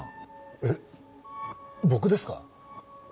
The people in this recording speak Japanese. えっ僕ですか？